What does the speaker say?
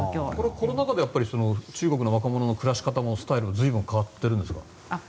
コロナ禍で中国の若者の暮らし方、スタイルも随分、変わっているんですか？